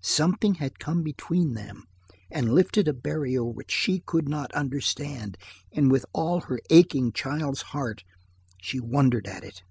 Something has come between them and lifted a barrier which she could not understand, and with all her aching child's heart she wondered at it.